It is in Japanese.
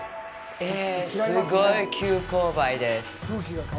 えー、すごい急勾配です。